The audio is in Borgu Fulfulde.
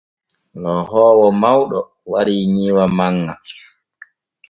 Loohoowo mawɗo warii nyiiwa manŋa.